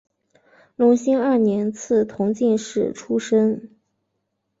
隆兴二年赐同进士出身。